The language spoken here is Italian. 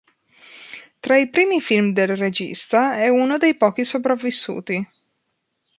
Tra i primi film del regista, è uno dei pochi sopravvissuti.